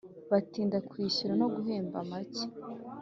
batinda kwishyura no guhemba make